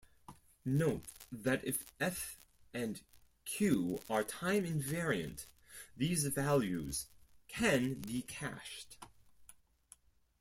Note that if "F" and "Q" are time invariant these values can be cached.